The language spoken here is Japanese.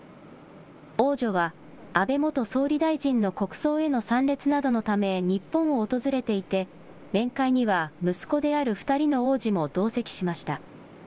王女は安倍元総理大臣の国葬への参列などのため、日本を訪れていて、面会には息子である２人の王子も同席しました。